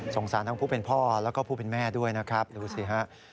สารทั้งผู้เป็นพ่อแล้วก็ผู้เป็นแม่ด้วยนะครับดูสิฮะ